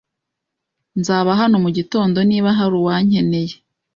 Nzaba hano mugitondo niba hari uwankeneye.